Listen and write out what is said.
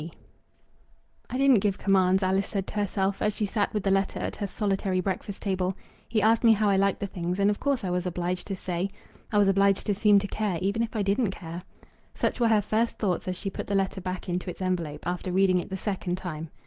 G. "I didn't give commands," Alice said to herself, as she sat with the letter at her solitary breakfast table. "He asked me how I liked the things, and of course I was obliged to say. I was obliged to seem to care, even if I didn't care." Such were her first thoughts as she put the letter back into its envelope, after reading it the second time.